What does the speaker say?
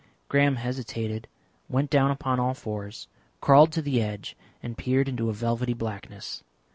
Graham hesitated, went down upon all fours, crawled to the edge, and peered into a velvety blackness.